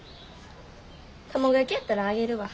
卵焼きやったらあげるわ。